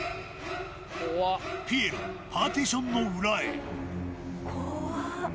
ピエロ、パーティションの裏へ。